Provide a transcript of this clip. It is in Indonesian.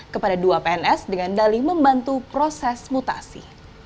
kepada dua pns dengan dali membantu proses mutasi